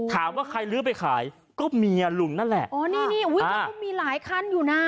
ถามว่าใครลื้อไปขายก็เมียลุงนั่นแหละอ๋อนี่นี่อุ้ยแล้วก็มีหลายคันอยู่น่ะ